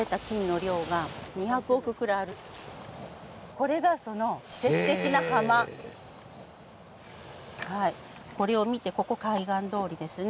これがそのこれを見てここ海岸通りですね。